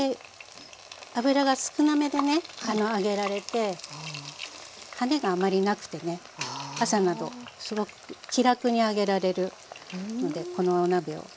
油が少なめでね揚げられてはねがあまりなくてね朝などすごく気楽に揚げられるのでこのお鍋を愛用しています。